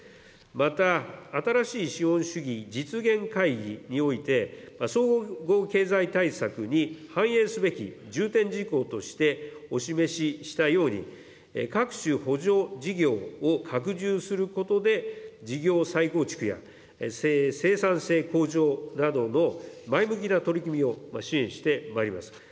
また、新しい資本主義実現会議において、総合経済対策に反映すべき重点事項として、お示ししたように、各種補助事業を拡充することで、事業再構築や、生産性向上などの前向きな取り組みを支援してまいります。